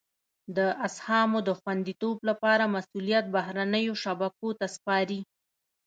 د اسهامو د خوندیتوب لپاره مسولیت بهرنیو شبکو ته سپاري.